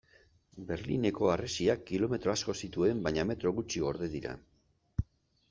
Berlineko harresiak kilometro asko zituen baina metro gutxi gorde dira.